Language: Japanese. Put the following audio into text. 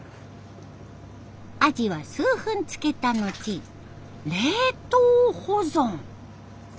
アジは数分漬けた後冷凍保存。